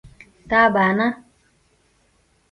تابانه